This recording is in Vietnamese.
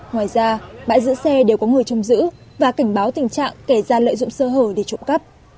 ngoài ra bãi giữ xe đều có người trông giữ và cảnh báo tình trạng kẻ gian lợi dụng sơ hở để trộm cắp